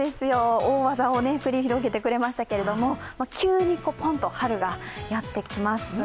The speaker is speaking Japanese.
大技を繰り広げてくれましたけれども、急にポンと春がやってきます。